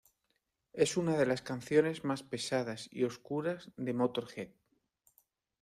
Es una de las canciones más pesadas y oscuras de Motörhead.